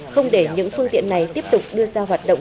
không để những phương tiện này tiếp tục đưa ra hoạt động